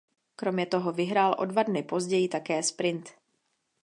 Kromě toho vyhrál o dva dny později také sprint.